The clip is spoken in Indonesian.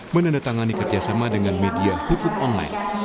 menandatangani kerjasama dengan media hukum online